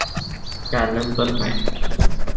การเริ่มต้นใหม่